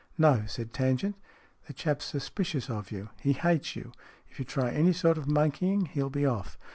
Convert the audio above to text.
"No," said Tangent, "the chap's suspicious of you. He hates you. If you try any sort of monkeying, he'll be off.